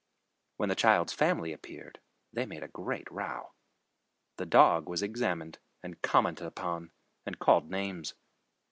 When the child's family appeared, they made a great row. The dog was examined and commented upon and called names.